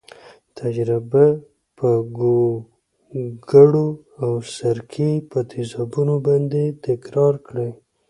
تجربه په ګوګړو او سرکې په تیزابونو باندې تکرار کړئ.